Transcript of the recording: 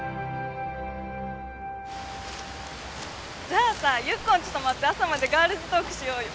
じゃあさユッコんち泊まって朝までガールズトークしようよ。